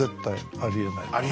ありえない。